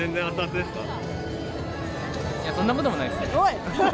いや、そんなこともないっすおい！